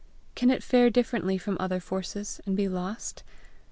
Can it fare differently from other forces, and be lost?